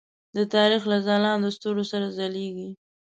د تاریخ له ځلاندو ستورو سره ځلیږي.